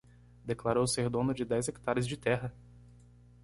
Declarou ser dono de dez hequitares de terra